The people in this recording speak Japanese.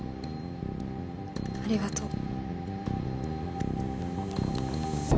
ありがとう。